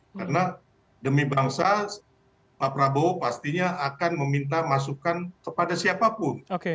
karena demi bangsa pak prabowo pastinya akan meminta masukan kepada siapapun